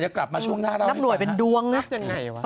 อยากรู้อยากรู้อยากรู้ช่วงหน้า